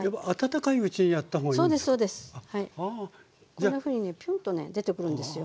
こんなふうにねピュンとね出てくるんですよ。